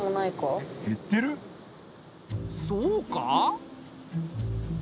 そうか？